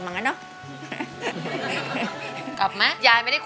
อันดับนี้เป็นแบบนี้